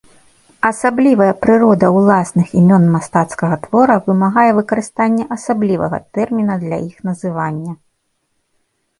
Асаблівая прырода ўласных імён мастацкага твора вымагае выкарыстання асаблівага тэрміна для іх называння.